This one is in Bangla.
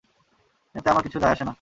এতে আমার কিছু যায়আসে না।